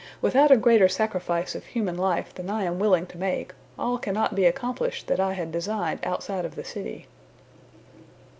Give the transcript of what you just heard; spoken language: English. Without a greater sacrifice of human life than I am willing to make, all cannot be accomplished that I had designed outside of the city."